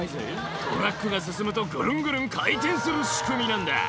「トラックが進むとグルングルン回転する仕組みなんだ」